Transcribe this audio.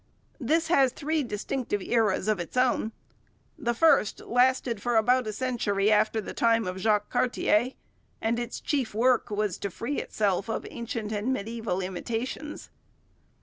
This has three distinctive eras of its own. The first lasted for about a century after the time of Jacques Cartier; and its chief work was to free itself of ancient and mediaeval limitations.